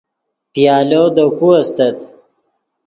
پیالو دے کو استت